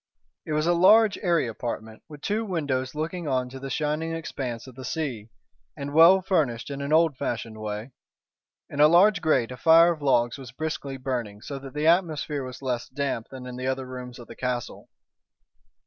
It was a large, airy apartment, with two windows looking on to the shining expanse of the sea, and well furnished in an old fashioned way. In a large grate a fire of logs was briskly burning, so that the atmosphere was less damp than in the other rooms of the castle.